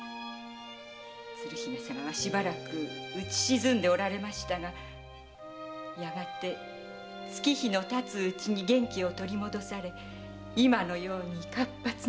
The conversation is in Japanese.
鶴姫様はしばらく打ち沈んでおられましたがやがて月日の経つうちに元気を取り戻し今のように活発なお方に。